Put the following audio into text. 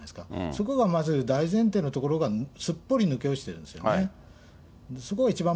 そこがまず大前提のところがすっぽり抜け落ちているんですよね。